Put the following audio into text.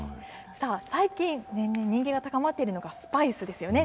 さあ、最近、年々人気が高まっているのがスパイスですよね。